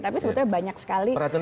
tapi sebetulnya banyak sekali item item